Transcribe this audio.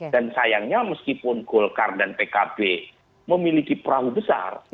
dan sayangnya meskipun golkar dan pkb memiliki perahu besar